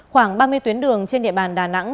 khoảng ba mươi tuyến đường trên địa bàn đà nẵng